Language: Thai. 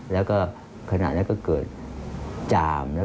แล้วเกิดจาม